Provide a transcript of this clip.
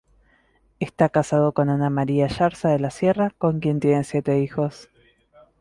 Está casado con Ana María Yarza de la Sierra, con quien tiene siete hijos.